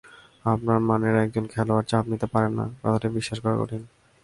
আপনার মানের একজন খেলোয়াড় চাপ নিতে পারেন না, কথাটা বিশ্বাস করা কঠিন।